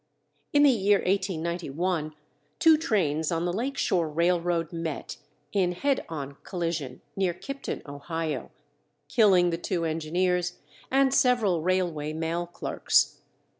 In the year 1891 two trains on the Lake Shore Railroad met in head on collision near Kipton, Ohio, killing the two engineers and several railway mail clerks.